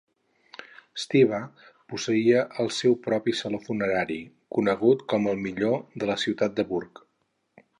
Stiva posseïa el seu propi saló funerari, conegut com el millor de la ciutat de Burg.